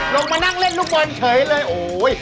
ลงมานั่งเล่นรูปมันเฉยเลย